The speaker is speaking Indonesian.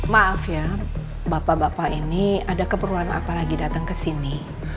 maaf ya bapak bapak ini ada keperluan apa lagi datang ke sini